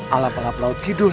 alam pelap lap hidul